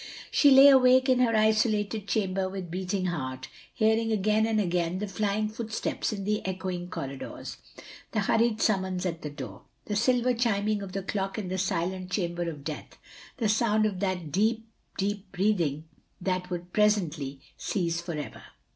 She lay awake in her isolated chamber with beating heart, hearing again and again the flying footsteps in the echoing corridors; the hurried summons at the door; the silver chiming of the clock in the silent chamber of death; thjB sotmd of the deep, deep breathing that would presently cease for ever.